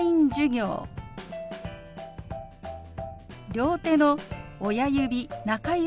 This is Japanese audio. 両手の親指中指